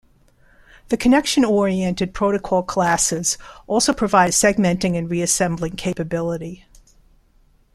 The connection-oriented protocol classes also provide a segmenting and reassembling capability.